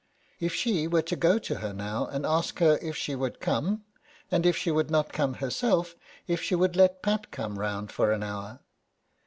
If she were to go to her now and ask her if she would come ? and if she would not come herself, if she would let Pat come round for an hour